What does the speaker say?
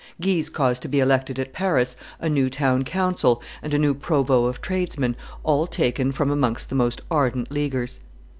Guise caused to be elected at Paris a new town council and a new provost of tradesmen, all taken from amongst the most ardent Leaguers.